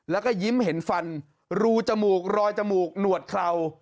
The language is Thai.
แล้วก็ยิ้มเห็นฟันรูจมูกรอยจมูกหนวดเครา